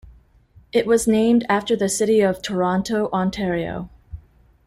It was named after the city of Toronto, Ontario.